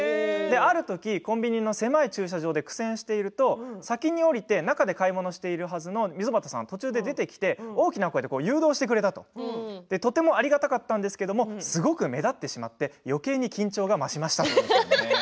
あるときコンビニの狭い駐車場で苦戦してると、先に降りて中で買い物しているはずの溝端さんが途中で出てきて大きな声で誘導してくれたとてもありがたかったんですがすごく目立ってしまってよけいに緊張が増しましたと。